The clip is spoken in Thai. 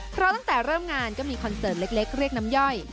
เพราะตั้งแต่เริ่มงานก็มีคอนเสิร์ตเล็กเรียกน้ำย่อย